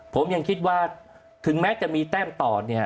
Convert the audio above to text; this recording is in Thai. ผมยังคิดว่าถึงแม้จะมีแต้มต่อเนี่ย